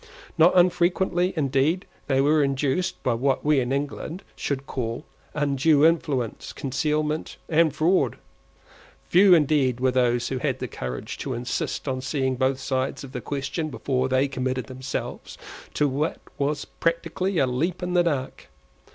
Not unfrequently, indeed, they were induced, by what we in England should call undue influence, concealment, and fraud. Few indeed were those who had the courage to insist on seeing both sides of the question before they committed themselves to what was practically a leap in the dark.